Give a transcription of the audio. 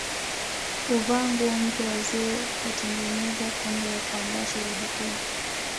Huvaa nguo mpya wazee hutengeneza pombe na kuandaa sherehe kubwa